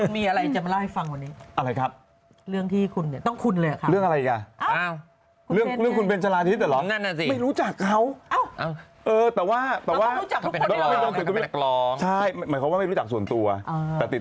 ต้องมีอะไรจะมาเล่าให้ฟังวันนี้